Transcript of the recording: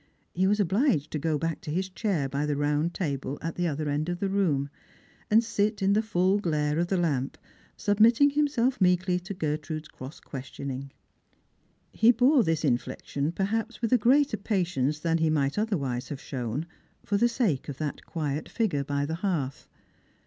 He was obligrd to go back to his chair by the round table at the other end of the room, and sit in the full glare of the lamp, submitting himself meekly to Gertrude's cross questioning. He bore this infliction perhaps with a greater patience than he might otherwise have shown, for the sake of that quiet figure by the hearth.